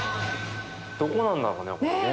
どこなんだろうねここね。